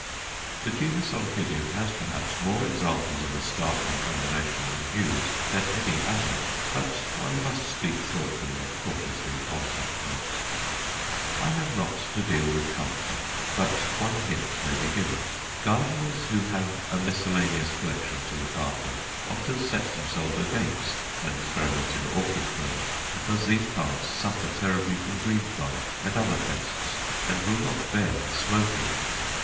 The genus Oncidium has, perhaps, more examples of a startling combination in hues than any other but one must speak thoughtfully and cautiously upon such points. I have not to deal with culture, but one hint may be given. Gardeners who have a miscellaneous collection to look after, often set themselves against an experiment in orchid growing because these plants suffer terribly from green fly and other pests, and will not bear "smoking."